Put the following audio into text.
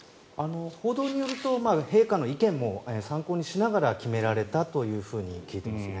報道によると陛下の意見も参考にしながら決められたと聞いています。